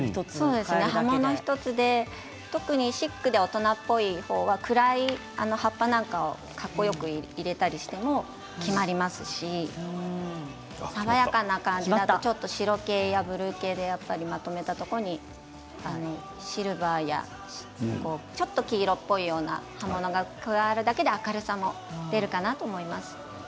葉物１つで特にシックで大人っぽいものは暗い葉っぱのものを入れても決まるし爽やかな感じですと白系やブルー系でまとめたところにシルバーやちょっと秋色っぽい葉物が加わるだけで明るさが出るかなと思います。